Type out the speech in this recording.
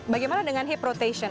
bagaimana dengan hip rotation